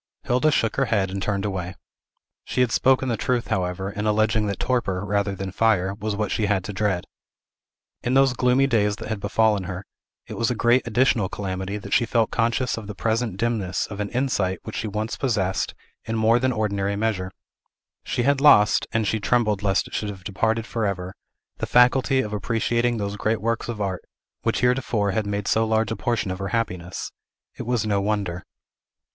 Hilda shook her head, and turned away. She had spoken the truth, however, in alleging that torpor, rather than fire, was what she had to dread. In those gloomy days that had befallen her, it was a great additional calamity that she felt conscious of the present dimness of an insight which she once possessed in more than ordinary measure. She had lost and she trembled lest it should have departed forever the faculty of appreciating those great works of art, which heretofore had made so large a portion of her happiness. It was no wonder.